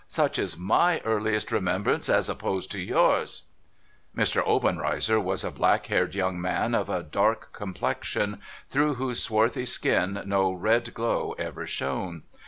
Such is iny earliest remembrance as opposed to yours !"' Mr. Obenreizer was a black haired young man of a dark com plexion, through whose swarthy skin no red glow ever shone.